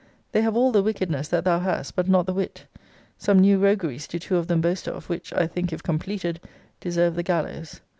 They have all the wickedness that thou hast, but not the wit. Some new rogueries do two of them boast of, which, I think, if completed, deserve the gallows.